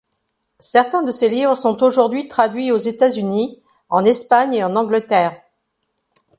Certains de ses livres sont aujourd’hui traduits aux Etats-Unis, en Espagne et en Angleterre.